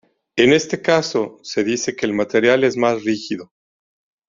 En este caso, se dice que el material es más rígido.